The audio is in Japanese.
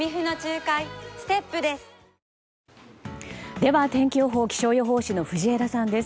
では、天気予報気象予報士の藤枝さんです。